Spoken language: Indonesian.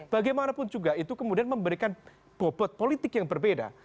bagaimanapun juga itu kemudian memberikan bobot politik yang berbeda